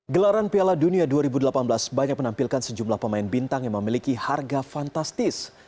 gelaran piala dunia dua ribu delapan belas banyak menampilkan sejumlah pemain bintang yang memiliki harga fantastis